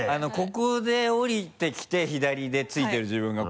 ここでおりてきて左で着いている自分が。